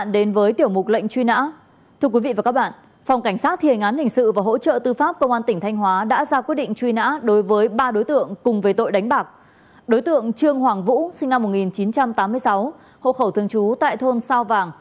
đối tượng phạm thị nhung